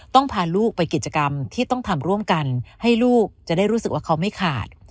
พาลูกไปกิจกรรมที่ต้องทำร่วมกันให้ลูกจะได้รู้สึกว่าเขาไม่ขาด